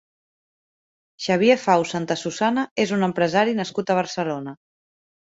Xavier Faus Santasusana és un empresari nascut a Barcelona.